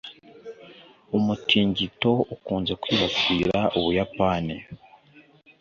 umutingito ukunze kwibasira ubuyapani.